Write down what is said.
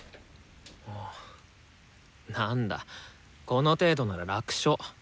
なんだこの程度なら楽勝。